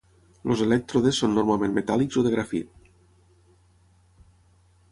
Els elèctrodes són normalment metàl·lics o de grafit.